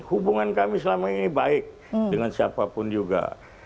hubungan kami selama ini baik dengan siapapun juga